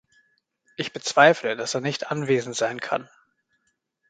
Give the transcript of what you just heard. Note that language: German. Ich bezweifle, dass er nicht anwesend sein kann.